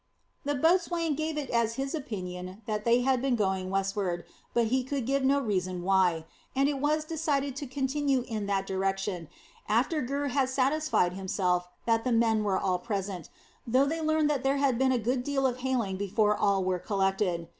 The boatswain gave it as his opinion that they had been going westward, but he could give no reason why; and it was decided to continue in that direction, after Gurr had satisfied himself that the men were all present, though they learned that there had been a good deal of hailing before all were collected.